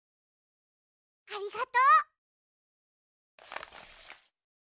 ありがとう。